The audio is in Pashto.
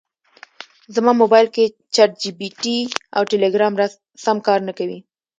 زما مبایل کې چټ جي پي ټي او ټیلیګرام سم کار نکوي